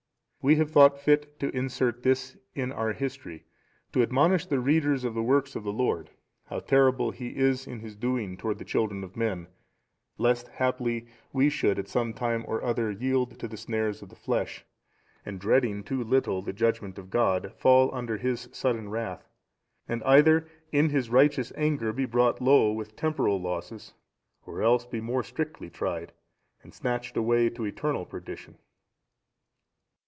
We have thought fit to insert this in our History, to admonish the reader of the works of the Lord, how terrible He is in His doing toward the children of men, lest haply we should at some time or other yield to the snares of the flesh, and dreading too little the judgement of God, fall under His sudden wrath, and either in His righteous anger be brought low with temporal losses, or else be more strictly tried and snatched away to eternal perdition.